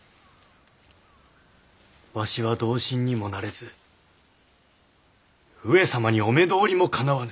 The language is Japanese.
わしは同心にもなれず上様にお目通りもかなわぬ。